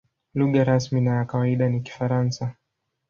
Lugha rasmi na ya kawaida ni Kifaransa.